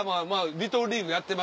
リトルリーグやってました。